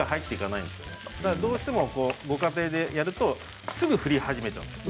どうしてもご家庭でやるとすぐに振り始めちゃう。